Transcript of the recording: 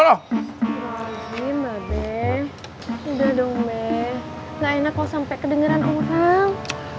udah dong bek gak enak kalau sampai kedengeran orang